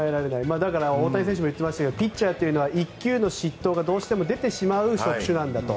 大谷選手も言っていましたがピッチャーっていうのは１球の失投がどうしても出てしまう職種なんだと。